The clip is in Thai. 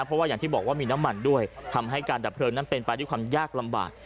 เพราะว่าอย่างที่บอกว่ามีน้ำมันด้วยทำให้การดับเพลิงนั้นเป็นไปด้วยความยากลำบาก